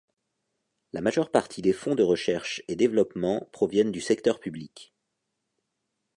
La majeure partie des fonds de recherche et développement proviennent du secteur public.